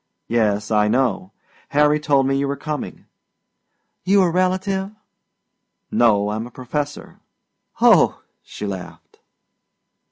"Yes, I know. Harry told me you were coming." "You a relative?" "No, I'm a professor." "Oh," she laughed.